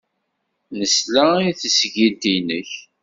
Nesla i tesgilt-nnek.